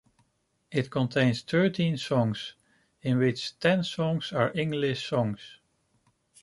It contains thirteen songs, in which ten songs are English songs.